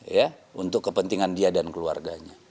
ya untuk kepentingan dia dan keluarganya